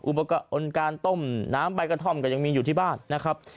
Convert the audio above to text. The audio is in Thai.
อุปกรณ์การต้มน้ำใบกระท่อมก็ยังมีอยู่ที่บ้านนะครับ